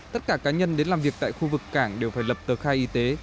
tất cả cá nhân đến làm việc tại khu vực cảng đều phải lập tờ khai y tế